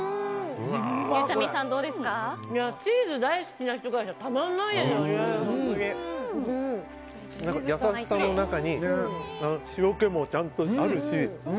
チーズ大好きな人には優しさの中に塩気もちゃんとあるし。